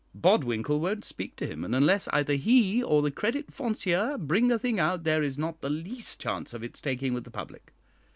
Bodwinkle won't speak to him, and unless either he or the Credit Foncier bring a thing out, there is not the least chance of its taking with the public.